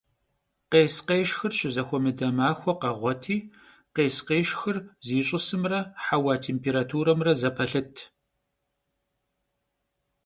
Khês - khêşşxır şızexuemıde maxue kheğueti khês - khêşşxır ziş'ısımre heua têmpêraturemre zepelhıt.